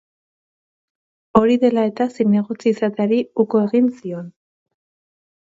Hori dela eta zinegotzi izateari uko egin zion.